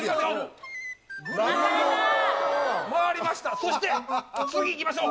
そして、次いきましょう。